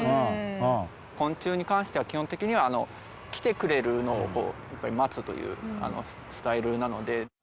昆虫に関しては基本的には来てくれるのを待つというスタイルなので。